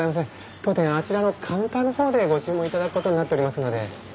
当店あちらのカウンターの方でご注文頂くことになっておりますので。